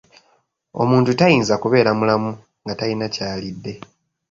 Omuntu tayinza kubeera mulamu nga talina ky'alidde.